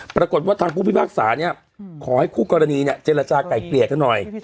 ปรากฏว่าทางผู้พิพากษาเนี่ยขอให้คู่กรณีเนี่ยเจรจาก่ายเกลี่ยกันหน่อย